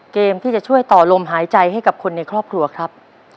เกมที่จะช่วยต่อลมหายใจให้กับคนในครอบครัวครับ